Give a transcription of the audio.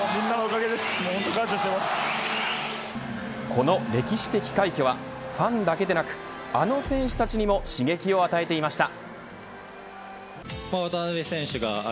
この歴史的快挙はファンだけでなくあの選手たちにも刺激を与えていました。